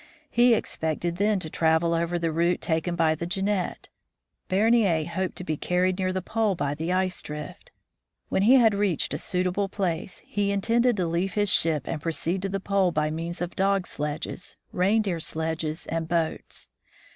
He expected then to travel over the route taken by the Jeannette. Bernier hoped to be carried near the pole by the ice drift. When he had reached a suitable place, he intended to leave his ship and proceed to the pole by means of dog sledges, reindeer sledges, and boats.